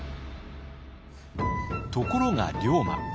ところが龍馬。